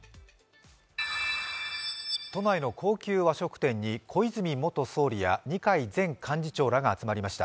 都内の高級和食店に小泉元総理や二階前幹事長らが集まりました。